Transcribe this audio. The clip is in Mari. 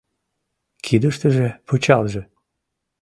Кидыштыже пычалже.